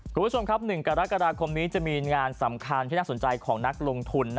คุณผู้ชมครับ๑กรกฎาคมนี้จะมีงานสำคัญที่น่าสนใจของนักลงทุน